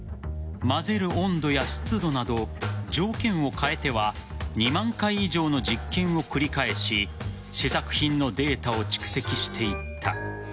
まぜる温度や湿度など条件を変えては２万回以上の実験を繰り返し試作品のデータを蓄積していった。